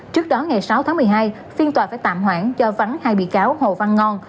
trước đó ngày sáu tháng một mươi hai phiên tòa phải tạm hoãn cho vắng hai bị cáo hồ văn ngon